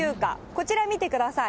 こちら見てください。